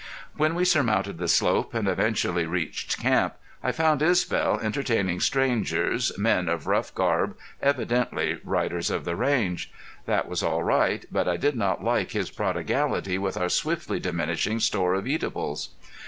When we surmounted the slope, and eventually reached camp, I found Isbel entertaining strangers, men of rough garb, evidently riders of the range. That was all right, but I did not like his prodigality with our swiftly diminishing store of eatables.